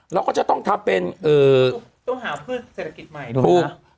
เราก็จะต้องทำเป็นเอ่อต้องหาพืชเศรษฐกิจใหม่ดูนะ